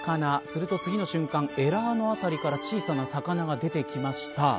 すると次の瞬間えらのあたりから小さな魚が出てきました。